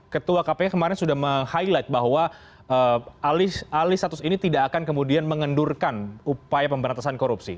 ketua kpk kemarin sudah meng highlight bahwa alih status ini tidak akan kemudian mengendurkan upaya pemberantasan korupsi